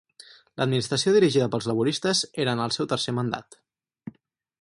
L'administració dirigida pels laboristes era en el seu tercer mandat.